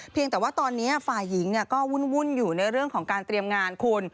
แต่ว่าตอนนี้ฝ่ายหญิงก็วุ่นอยู่ในเรื่องของการเตรียมงานคุณ